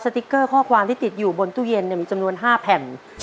ติ๊กเกอร์ข้อความที่ติดอยู่บนตู้เย็นมีจำนวน๕แผ่น